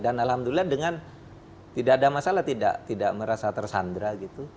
dan alhamdulillah dengan tidak ada masalah tidak merasa tersandra gitu